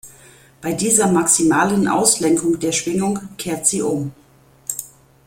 Bei dieser maximalen Auslenkung der Schwingung „kehrt sie um“.